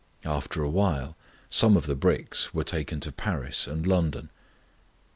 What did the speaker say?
After a while some of the bricks were taken to Paris and London.